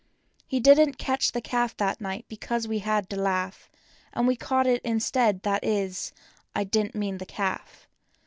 He didn't catch the calf that night be¬ cause we had to laugh; And we caught it instead—that is—I didn't mean the calf.